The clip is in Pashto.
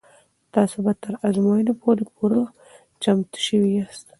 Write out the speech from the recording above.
تاسې به تر ازموینې پورې پوره چمتو شوي یاست.